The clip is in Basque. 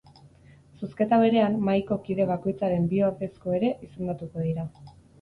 Zozketa berean, mahaiko kide bakoitzaren bi ordezko ere izendatuko dira.